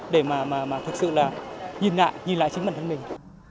để mà thực sự là nhìn lại nhìn lại chính bản thân mình